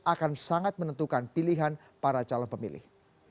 akan sangat menentukan pilihan para calon pemilih